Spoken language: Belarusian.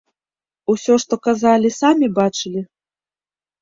Усё, што казалі, самі бачылі?